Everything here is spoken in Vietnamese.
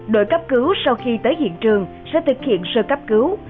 đội cấp cứu sau khi tới hiện trường sẽ thực hiện sơ cấp cứu